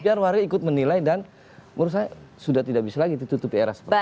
biar warga ikut menilai dan menurut saya sudah tidak bisa lagi ditutupi era seperti ini